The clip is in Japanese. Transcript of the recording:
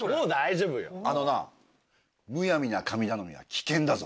あのなむやみな神頼みは危険だぞ。